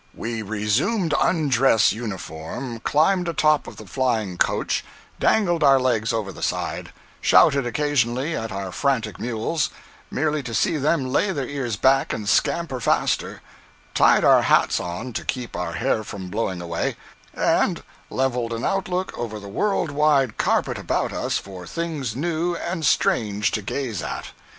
We resumed undress uniform, climbed a top of the flying coach, dangled our legs over the side, shouted occasionally at our frantic mules, merely to see them lay their ears back and scamper faster, tied our hats on to keep our hair from blowing away, and leveled an outlook over the world wide carpet about us for things new and strange to gaze at.